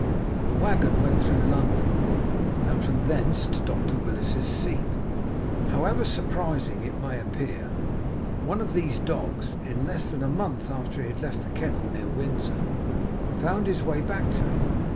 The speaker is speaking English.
The wagon went through London, and from thence to Dr. Willis's seat. However surprising it may appear, one of these dogs, in less than a month after he had left the kennel near Windsor, found his way back to it.